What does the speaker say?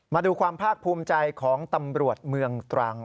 มาดูความภาคภูมิใจของตำรวจเมืองตรัง